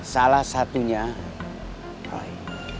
salah satunya roy